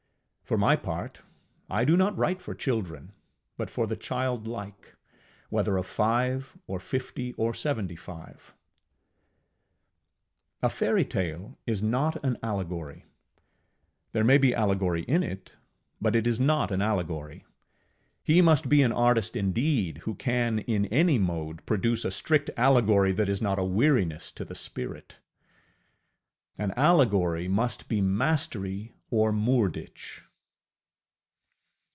For my part, I do not write for children, but for the childlike, whether of five, or fifty, or seventy five. A fairytale is not an allegory. There may be allegory in it, but it is not an allegory. He must be an artist indeed who can, in any mode, produce a strict allegory that is not a weariness to the spirit. An allegory must be Mastery or Moorditch.